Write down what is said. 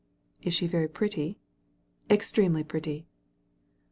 *' Is she very pretty ?"" Extremely pretty."